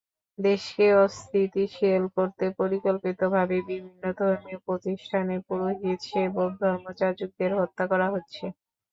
দেশকে অস্থিতিশীল করতে পরিকল্পিতভাবে বিভিন্ন ধর্মীয় প্রতিষ্ঠানের পুরোহিত, সেবক, ধর্মযাজকদের হত্যা করা হচ্ছে।